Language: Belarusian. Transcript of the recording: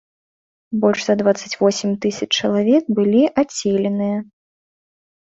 Больш за дваццаць восем тысяч чалавек былі адселеныя.